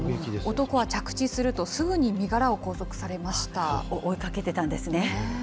男は着地すると、すぐに身柄を拘追いかけてたんですね。